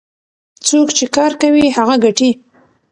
څوک چې کار کوي هغه ګټي.